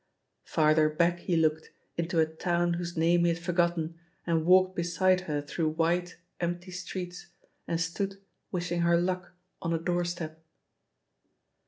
Farther back he looked, into a town whose name he had forgotten, and walked beside her through white, empty streets, and stood^ wishing her "luck," on a doorstep.